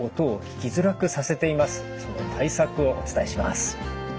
その対策をお伝えします。